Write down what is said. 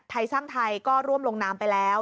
ไทยสร้างไทยก็ร่วมลงนามไปแล้ว